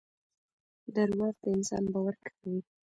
دراوغ دانسان باور کموي